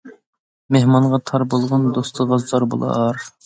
مېھمانغا تار بولغان، دوستىغا زار بولار.